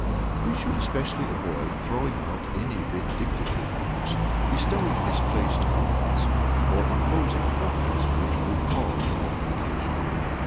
We should especially avoid throwing out any vindictive remarks, bestowing misplaced compliments, or imposing forfeits which would cause mortification.